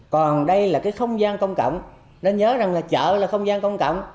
còn đây là cái không gian công cộng nên nhớ rằng là chợ là không gian công cộng